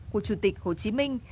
của chủ tịch hồ chí minh